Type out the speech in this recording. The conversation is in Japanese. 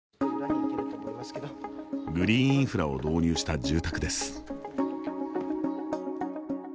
グリーンインフラを導入した住宅です。